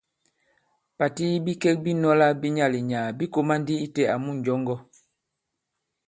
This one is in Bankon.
Pàti yi bikek bi nɔ̄lā bi nyaà-li-nyàà bī kōmā ndi itē àmu ǹnjɔŋgɔ.